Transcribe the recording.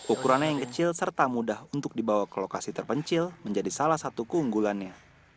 ukurannya yang kecil serta mudah untuk dibawa ke lokasi terpencil menjadi salah satu keunggulannya